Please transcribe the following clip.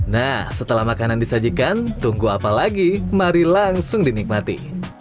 nah setelah makanan disajikan tunggu apa lagi mari langsung dinikmati